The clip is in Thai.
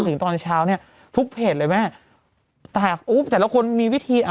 ถึงตอนเช้าเนี้ยทุกเพจเลยแม่แต่อู้แต่ละคนมีวิธีอ่ะ